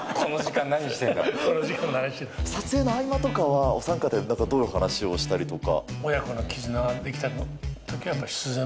撮影の合間とかは、お三方でどういう話をしたりとか。